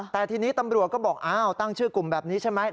แต่ทีนี้ตำรวจก็บอกอ้าวตั้งชื่อกลุ่มแบบนี้ใช่ไหม